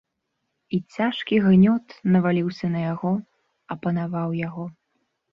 І цяжкі гнёт наваліўся на яго, апанаваў яго.